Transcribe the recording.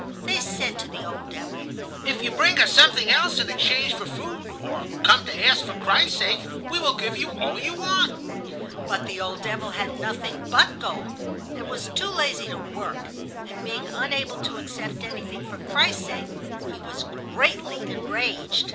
They said to the old devil: "If you bring us something else in exchange for food, or come to ask for Christ's sake, we will give you all you want." But the old devil had nothing but gold, and was too lazy to work; and being unable to accept anything for Christ's sake, he was greatly enraged.